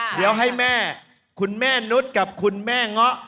เดี๋ยวให้แม่คุณแม่นุษย์กับคุณแม่เงาะ